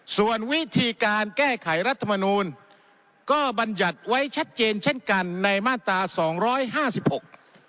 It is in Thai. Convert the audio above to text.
ส่วนวิธีการแก้ไขรัฐมนูลก็บรรยัติไว้ชัดเจนเช่นกันในมาตราสองร้อยห้าสิบหก